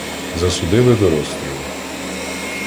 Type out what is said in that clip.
Засудили до розстрілу.